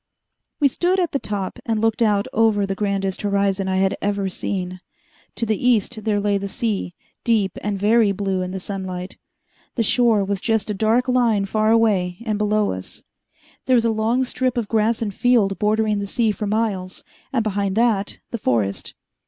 We stood at the top and looked out over the grandest horizon I had ever seen. To the east there lay the sea, deep and very blue in the sunlight. The shore was just a dark line far away and below us. There was a long strip of grass and field bordering the sea for miles, and behind that the forest.